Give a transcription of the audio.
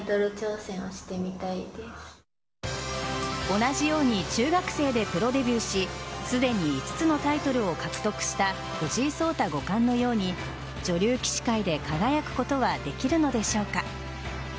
同じように中学生でプロデビューしすでに５つのタイトルを獲得した藤井聡太五冠のように女流棋士界で輝くことはできるのでしょうか。